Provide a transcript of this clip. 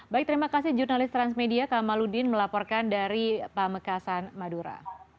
baik terima kasih jurnalis transmedia kamaludin melaporkan dari pamekasan madura